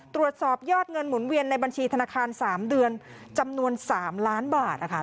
ตรวจสอบยอดเงินหมุนเวียนในบัญชีธนาคาร๓เดือนจำนวน๓ล้านบาท